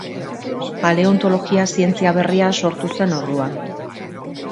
Paleontologia zientzia berria sortu zen orduan.